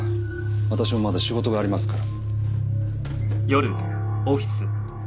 私もまだ仕事がありますから。